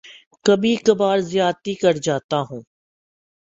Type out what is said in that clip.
کبھی کبھار زیادتی کر جاتا ہوں